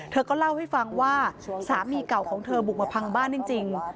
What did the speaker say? เธอก็เล่าให้ฟังว่าสามีเก่าของเธอบุกมาพังบ้านจริง